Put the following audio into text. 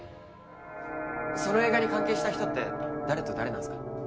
その映画に関係した人って誰と誰なんすか？